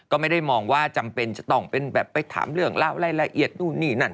ก็ไม่ได้มองว่าจำเป็นจะต้องเป็นแบบไปถามเรื่องเล่ารายละเอียดนู่นนี่นั่น